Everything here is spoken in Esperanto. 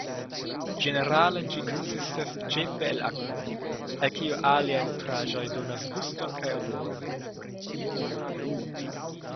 Ĝenerale ĝi konsistas ĉefe el akvo, al kio aliaj nutraĵoj donas guston kaj odoron.